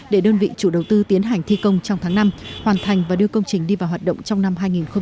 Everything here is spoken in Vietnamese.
để đơn vị chủ đầu tư tiến hành thi công trong tháng năm hoàn thành và đưa công trình đi vào hoạt động trong năm hai nghìn hai mươi